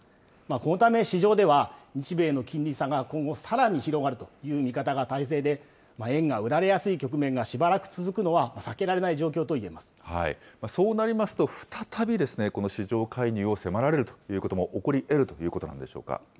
このため、市場では日米の金利差が今後、さらに広がるという見方が大勢で、円が売られやすい局面がしばらく続くのは避けられないそうなりますと、再びこの市場介入を迫られるということも起こりえるということなんでしょう